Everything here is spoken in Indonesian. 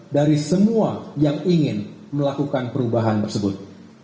dari semua yang ingin melakukan perubahan tersebut